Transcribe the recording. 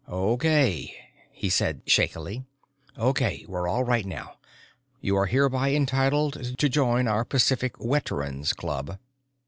"Okay," he said shakily. "Okay, we're all right now. You are hereby entitled to join our Pacific wet erans' club."